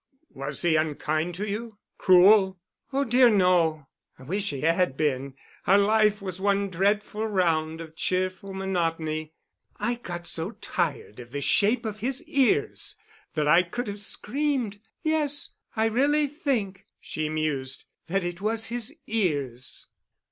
"Was he unkind to you—cruel?" "Oh, dear, no! I wish he had been. Our life was one dreadful round of cheerful monotony. I got so tired of the shape of his ears that I could have screamed. Yes, I really think," she mused, "that it was his ears."